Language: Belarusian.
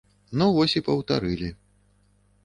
Ну вось і паўтарылі.